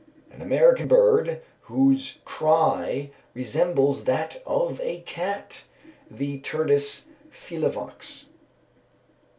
_ An American bird, whose cry resembles that of a cat, the _Turdus felivox.